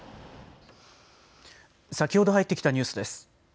先ほど入ってきたニュースです。